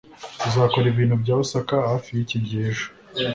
tuzakora ibintu bya osaka hafi yiki gihe ejo